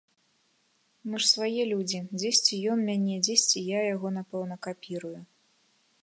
Мы ж свае людзі, дзесьці ён мяне, дзесьці я яго, напэўна, капірую.